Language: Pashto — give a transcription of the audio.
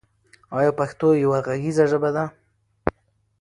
آیا پښتو یوه غږیزه ژبه ده؟